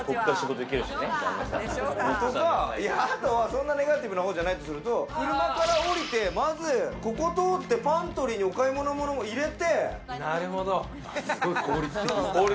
そんなネガティブな方じゃないとすると、車から降りて、まずここを通って、パントリーにすごい効率的。